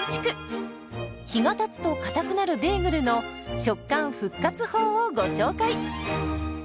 日がたつとかたくなるベーグルの食感復活法をご紹介。